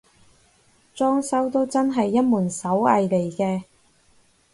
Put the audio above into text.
裝修都真係一門手藝嚟嘅